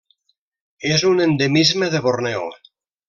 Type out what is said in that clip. És un endemisme de Borneo.